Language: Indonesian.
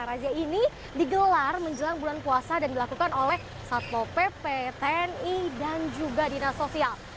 razia ini digelar menjelang bulan puasa dan dilakukan oleh satpol pp tni dan juga dinas sosial